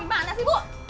gimana sih bu